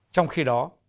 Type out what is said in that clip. trong khi đó